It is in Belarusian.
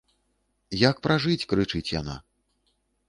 Як пражыць, крычыць яна.